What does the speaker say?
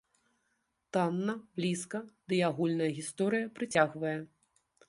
Танна, блізка, дый агульная гісторыя прыцягвае.